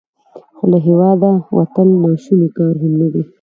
خو له هیواده وتل ناشوني کار هم نه دی.